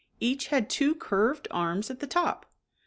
' Each had two curved arms at the top.